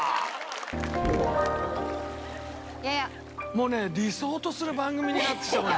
「もうね理想とする番組になってきたこれ」